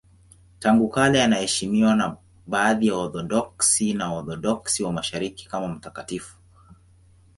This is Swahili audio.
Tangu kale anaheshimiwa na baadhi ya Waorthodoksi na Waorthodoksi wa Mashariki kama mtakatifu.